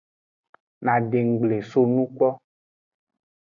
Madenggble songu kpo.